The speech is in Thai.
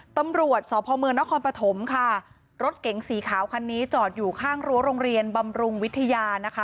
ตำรวจสพเมืองนครปฐมค่ะรถเก๋งสีขาวคันนี้จอดอยู่ข้างรั้วโรงเรียนบำรุงวิทยานะคะ